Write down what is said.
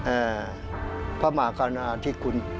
เอ่อพระมากรณาที่ขุด